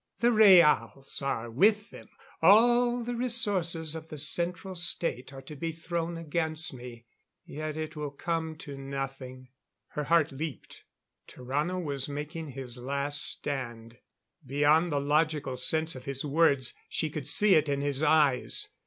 The Rhaals are with them all the resources of the Central State are to be thrown against me. Yet it will come to nothing." Her heart leaped. Tarrano was making his last stand. Beyond the logical sense of his words, she could see it in his eyes.